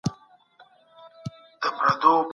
د همږغۍ پيدا کول د ښه سياستوال ځانګړنه ده.